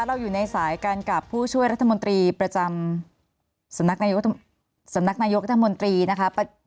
เราอยู่ในสายกันกับผู้ช่วยรัฐมนตรีประจำสำนักสำนักนายกรัฐมนตรีนะคะ